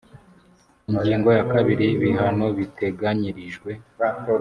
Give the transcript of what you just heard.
ingingo ya kabiri ibihano biteganyirijwe